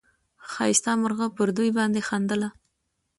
ښایسته مرغه پر دوی باندي خندله